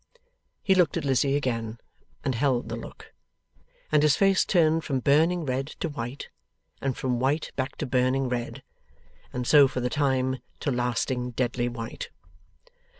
He looked at Lizzie again, and held the look. And his face turned from burning red to white, and from white back to burning red, and so for the time to lasting deadly white.